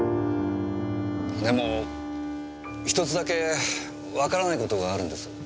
でも１つだけわからないことがあるんです。